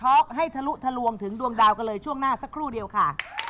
อกให้ทะลุทะลวงถึงดวงดาวกันเลยช่วงหน้าสักครู่เดียวค่ะ